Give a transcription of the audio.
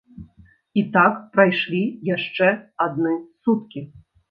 І так прайшлі яшчэ адны суткі.